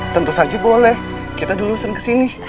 tentu saja boleh kita dulu sen ke sini